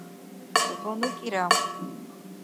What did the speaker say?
гъану кӀира